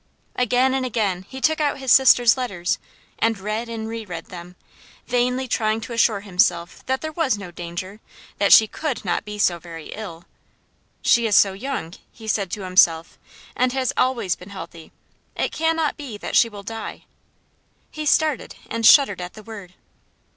Again and again he took out his sister's letters and read and re read them, vainly trying to assure himself that there was no danger; that she could not be so very ill. "She is so young," he said to himself, "and has always been healthy, it cannot be that she will die." He started and shuddered at the word.